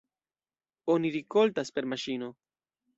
Oni rikoltas per maŝino.